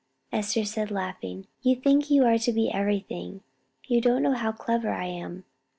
Esther said, laughing, "You think you are to be everything. You don't know how clever I am.